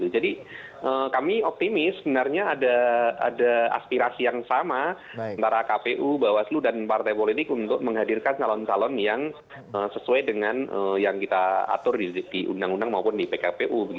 jadi kami optimis sebenarnya ada aspirasi yang sama antara kpu bawaslu dan partai politik untuk menghadirkan calon calon yang sesuai dengan yang kita atur di undang undang maupun di pkpu